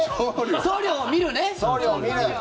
送料を見る。